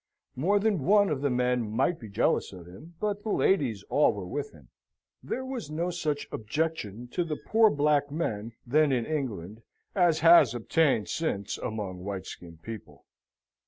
More than one of the men might be jealous of him, but the ladies all were with him. There was no such objection to the poor black men then in England as has obtained since among white skinned people.